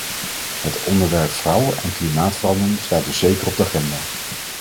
Het onderwerp vrouwen en klimaatverandering staat dus zeker op de agenda.